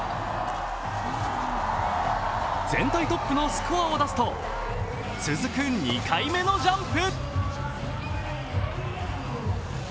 全体トップのスコアを出すと、続く２回目のジャンプ！